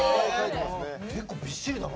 結構びっしりだな。